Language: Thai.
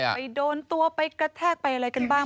ไปโดนตัวไปกระแทกไปอะไรกันบ้าง